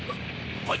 はい！